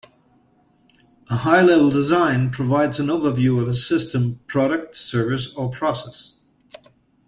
A high-level design provides an overview of a system, product, service or process.